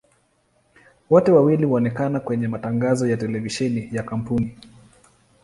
Wote wawili huonekana kwenye matangazo ya televisheni ya kampuni.